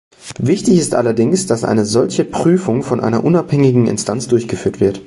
Wichtig ist allerdings, dass eine solche Prüfung von einer unabhängigen Instanz durchgeführt wird.